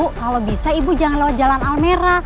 bu kalau bisa ibu jangan lewat jalan almera